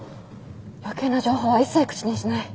余計な情報は一切口にしない。